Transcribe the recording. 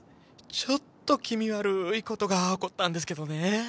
ちょっと気味悪い事が起こったんですけどね。